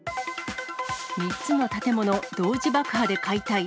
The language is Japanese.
３つの建物同時爆破で解体。